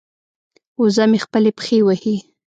وزه مې خپلې پښې وهي.